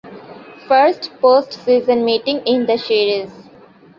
First postseason meeting in the series.